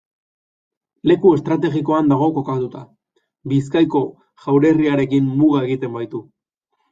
Leku estrategikoan dago kokatua, Bizkaiko Jaurerriarekin muga egiten baitu.